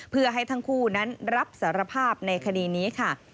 เพื่อให้ทั้งคู่นั้นรับสารภาพในคดีนี้ค่ะ